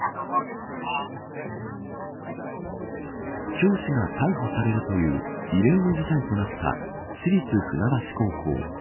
教師が逮捕されるという異例の事態となった市立船橋高校。